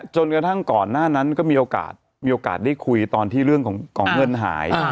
จนกระทั่งก่อนหน้านั้นก็มีโอกาสมีโอกาสได้คุยตอนที่เรื่องของเงินหาย